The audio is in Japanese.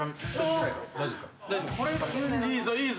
いいぞいいぞ。